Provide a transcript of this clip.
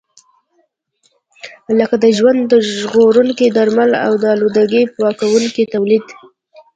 لکه د ژوند ژغورونکو درملو او د آلودګۍ پاکونکو تولید.